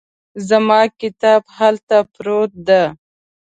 زما کتاب هلته پروت ده